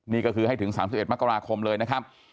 นี่ก็คือให้ถึง๓๑มกราคมเลยนะครับ